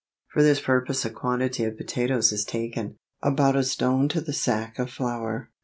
For this purpose a quantity of potatoes is taken, about a stone to the sack of flour.